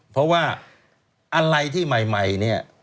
เพราะว่าอะไรที่ใหม่เนี่ย